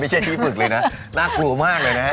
ไม่ใช่อย่างนี้ผลึกเลยนะหน้ากลัวมากเลยนะฮะ